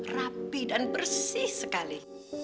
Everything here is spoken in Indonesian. rapi dan bersih sekali